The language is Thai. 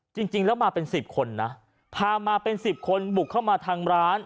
จริงแล้วมาเป็นสิบคนนะพามาเป็นสิบคนบุกเข้ามาทางร้าน